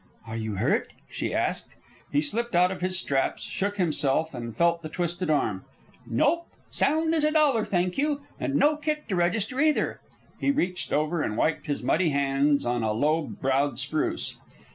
"Are you hurt?" she asked. He slipped out of his straps, shook himself, and felt the twisted arm. "Nope. Sound as a dollar, thank you. And no kick to register, either." He reached over and wiped his muddy hands on a low bowed spruce.